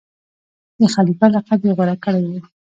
د خلیفه لقب یې غوره کړی وو.